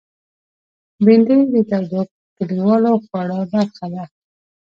بېنډۍ د تودو کلیوالو خوړو برخه ده